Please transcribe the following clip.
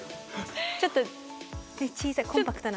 ちょっと小さいコンパクトな。